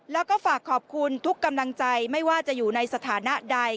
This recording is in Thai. แล้วก็ฝากขอบคุณทุกกำลังใจไม่ว่าจะอยู่ในสถานะใด